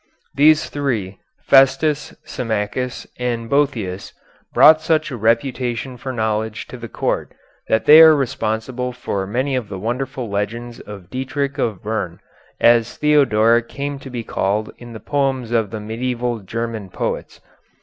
These three Festus, Symmachus, and Boëthius brought such a reputation for knowledge to the court that they are responsible for many of the wonderful legends of Dietrich of Bern, as Theodoric came to be called in the poems of the medieval German poets.